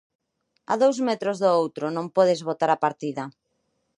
A dous metros do outro non podes botar a partida.